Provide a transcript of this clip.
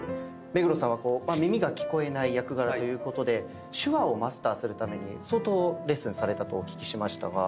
目黒さんは耳が聞こえない役柄ということで手話をマスターするために相当レッスンされたとお聞きしましたが。